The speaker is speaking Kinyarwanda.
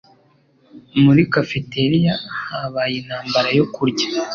Muri cafeteria habaye intambara yo kurya.